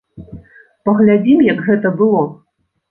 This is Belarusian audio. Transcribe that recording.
Паглядзім, як гэта было!